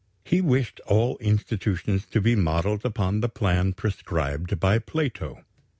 He wished all institutions to be modelled upon the plan prescribed by Plato.